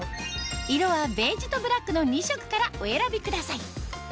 色はベージュとブラックの２色からお選びください